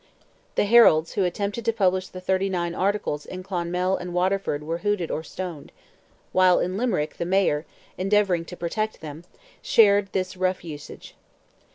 The heralds who attempted to publish the Thirty Articles in Clonmel and Waterford were hooted or stoned; while in Limerick the mayor, endeavouring to protect them, shared this rough usage.